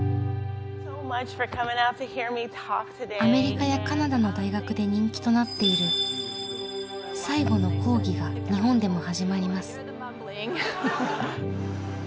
アメリカやカナダの大学で人気となっている「最後の講義」が日本でも始まります。